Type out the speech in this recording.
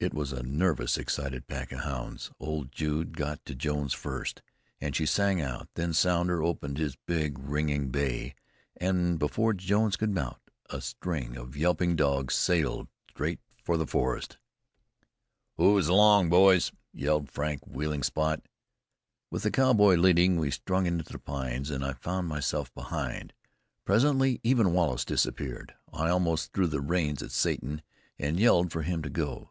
It was a nervous, excited pack of hounds. Old Jude got to Jones first, and she sang out; then Sounder opened with his ringing bay, and before Jones could mount, a string of yelping dogs sailed straight for the forest. "Ooze along, boys!" yelled Frank, wheeling Spot. With the cowboy leading, we strung into the pines, and I found myself behind. Presently even Wallace disappeared. I almost threw the reins at Satan, and yelled for him to go.